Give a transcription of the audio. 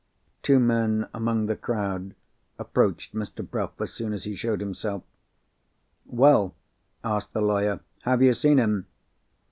Two men among the crowd approached Mr. Bruff, as soon as he showed himself. "Well," asked the lawyer. "Have you seen him?"